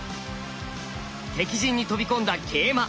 敵陣に飛び込んだ桂馬。